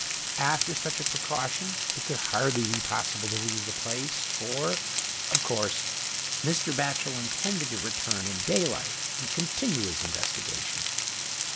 After such a precaution it could hardly be possible to lose the place — for, of course, Mr. Batchel intended to return in day light and continue his investigation.